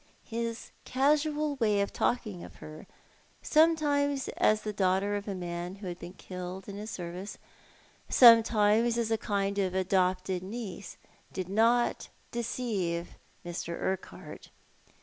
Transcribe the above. His casual way of talking of her, some times as the daughter of a man who had been killed in his service, sometimes as a kind of adopted niece, did not deceive Mr. Urquhart.